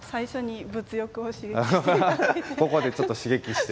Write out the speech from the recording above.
ここでちょっと刺激して。